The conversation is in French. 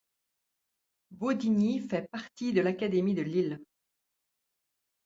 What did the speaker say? Beaudignies fait partie de l'académie de Lille.